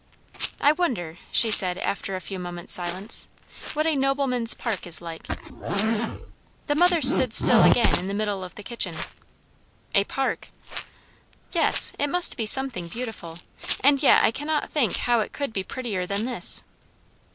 "I wonder," she said after a few minutes' silence, "what a nobleman's park is like?" The mother stood still again in the middle of the kitchen. "A park!" "Yes. It must be something beautiful; and yet I cannot think how it could be prettier than this."